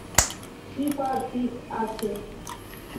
Ŝi fartis aĉe.